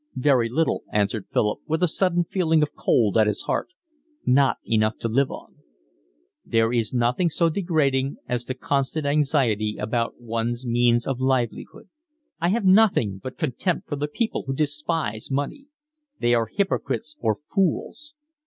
"Very little," answered Philip, with a sudden feeling of cold at his heart. "Not enough to live on." "There is nothing so degrading as the constant anxiety about one's means of livelihood. I have nothing but contempt for the people who despise money. They are hypocrites or fools.